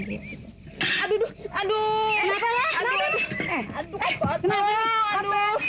eh aduh kepotong